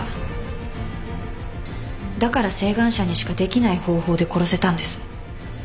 だから晴眼者にしかできない方法で殺せたんです。